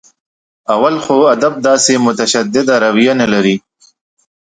اول خو ادب داسې متشدده رویه نه لري.